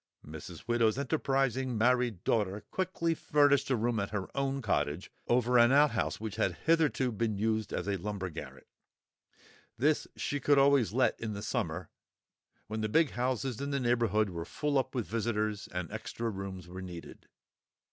Mrs. Widow's enterprising married daughter quickly furnished a room at her own cottage over an outhouse which had hitherto been used as a lumber garret; this she could always let in the summer, when the big houses in the neighbourhood were full up with visitors and extra rooms were needed.